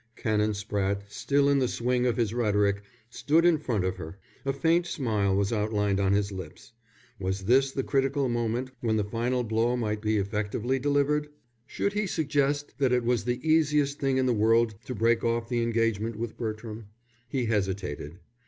Canon Spratte, still in the swing of his rhetoric, stood in front of her. A faint smile was outlined on his lips. Was this the critical moment when the final blow might be effectively delivered? Should he suggest that it was the easiest thing in the world to break off the engagement with Bertram? He hesitated.